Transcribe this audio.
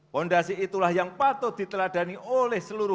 fondasi itulah yang patut diteladani oleh seluruh